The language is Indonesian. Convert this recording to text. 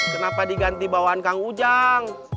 kenapa diganti bawaan kang ujang